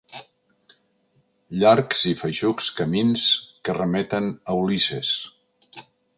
Llargs i feixucs camins que remeten a Ulisses.